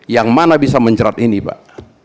yang mana bisa menjerat ini pak